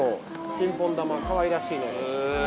ピンポン球かわいらしいね。